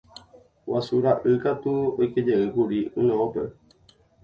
Guasu ra'y katu oikejeýkuri yno'õme.